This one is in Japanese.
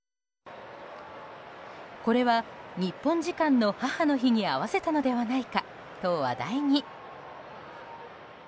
これは日本時間の母の日に合わせたのではないかと話題に。